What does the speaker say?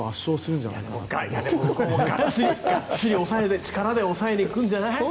がっつりと力で抑えに行くんじゃない？